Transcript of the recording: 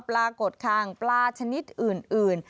ปรากฏคางปลาชนิดอื่น